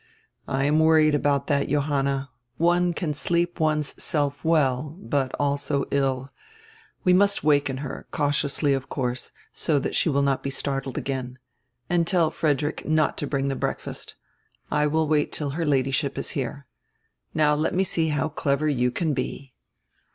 "I am worried about that, Johanna. One can sleep one's self well, but also ill. We must waken her, cautiously, of course, so that she will not he startled again. And tell Frederick not to bring die breakfast. I will wait till her Ladyship is here. Now let me see how clever you can be."